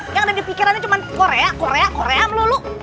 yang ada di pikirannya cuman korea korea korea melulu